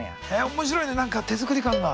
面白いね何か手作り感が。